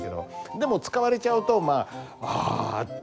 でも使われちゃうとまあ「あ」って。